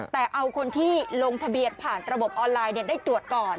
แต่เอาคนที่ลงทะเบียนผ่านระบบออนไลน์ได้ตรวจก่อน